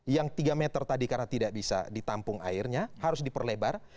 yang tiga meter tadi karena tidak bisa ditampung airnya harus diperlebar